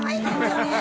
ハハハ